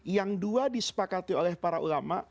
yang dua disepakati oleh para ulama